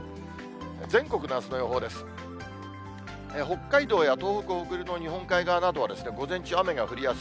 全国のあすの予報です。